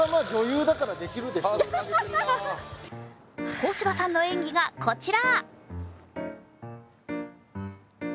小芝さんの演技がこちら。